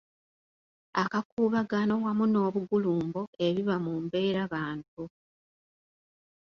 Akakuubagano wamu n’obugulumbo ebiba mu mbeerabantu